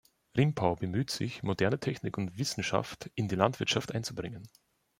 Rimpau bemühte sich, moderne Technik und Wissenschaft in die Landwirtschaft einzubringen.